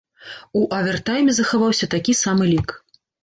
У авертайме захаваўся такі самы лік.